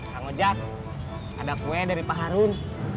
sang ojak ada kue dari pak harun